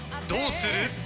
どうする？］